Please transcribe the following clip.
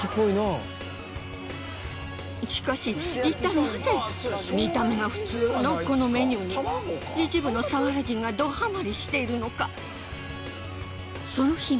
しかし一体ナゼ見た目が普通のこのメニューに一部の佐原人がどハマりしているのか？